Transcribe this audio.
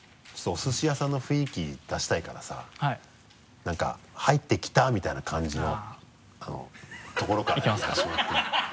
おすし屋さんの雰囲気出したいからさ何か「入ってきた」みたいな感じのところからいかせてもらっていい？